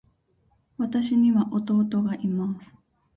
私には弟がいます。